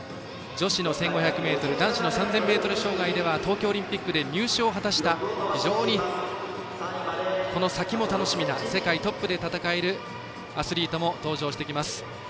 女子の１５００ｍ男子３０００ｍ障害では東京オリンピックで入賞を果たした非常に、この先も楽しみな世界トップで戦えるアスリートも登場します。